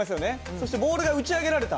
そしてボールが打ち上げられた。